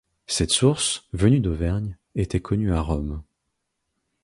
Cette source, venue d'Auvergne, était connue à Rome.